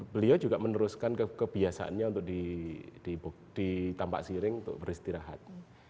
beliau juga meneruskan kebiasaannya untuk di tampak siring untuk beristirahat